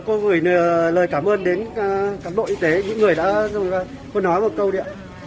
cô gửi lời cảm ơn đến cản bộ y tế những người đã hôn hóa một câu đi ạ